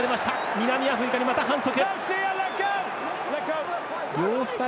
南アフリカに、また反則。